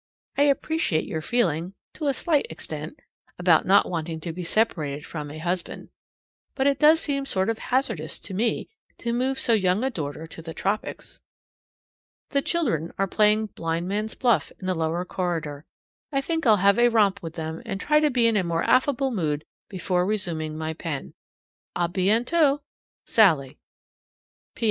I appreciate your feeling (to a slight extent) about not wanting to be separated from a husband; but it does seem sort of hazardous to me to move so young a daughter to the tropics. The children are playing blind man's buff in the lower corridor. I think I'll have a romp with them, and try to be in a more affable mood before resuming my pen. A BIENTOT! SALLIE. P.